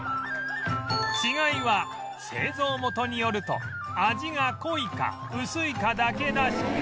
違いは製造元によると味が濃いか薄いかだけらしく